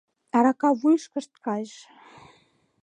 Арака вуйышкышт кайыш.